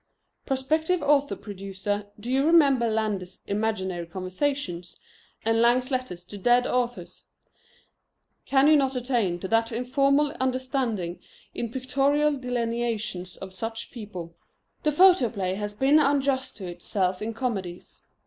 Prospective author producer, do you remember Landor's Imaginary Conversations, and Lang's Letters to Dead Authors? Can you not attain to that informal understanding in pictorial delineations of such people? The photoplay has been unjust to itself in comedies.